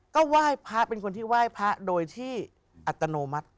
ก็ไหว้พระเป็นคนที่ไหว้พระโดยที่อัตโนมัติ